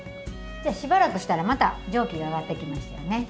しばらくしたらまた蒸気が上がってきましたよね。